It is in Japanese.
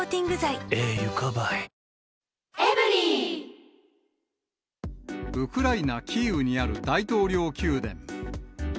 ２１日、ウクライナ・キーウにある大統領宮殿。